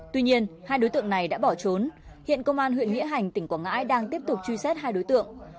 tuy nhiên hai đối tượng này đã bỏ trốn hiện công an huyện nghĩa hành tỉnh quảng ngãi đang tiếp tục truy xét hai đối tượng